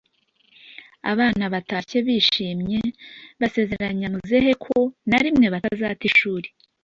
abana batashye bishimye basezeranya muzehe ko na rimwe batazata ishuri